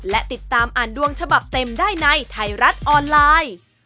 และติดตามอ่านดวงฉบับเต็มได้ในไทยรัฐออนไลน์